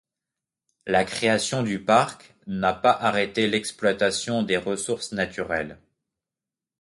La création du parc n'a pas arrêté l'exploitation des ressources naturelles.